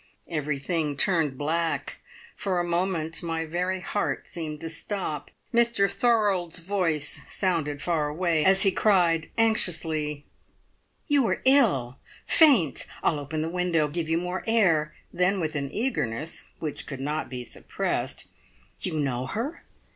Everything turned black; for a moment my very heart seemed to stop. Mr Thorold's voice sounded far away, as he cried anxiously: "You are ill faint! I'll open the window give you more air." Then with an eagerness which could not be suppressed, "You know her?